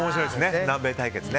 南米対決ね。